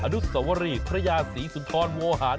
อดุษวรีพระยาศีสุธรโวหาร